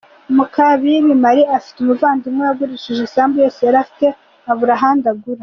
Mukakibibi Marie, afite umuvandimwe wagurishije isambu yose yari afite, abura ahandi agura.